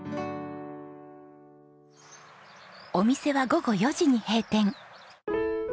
お店は午後４時に閉店。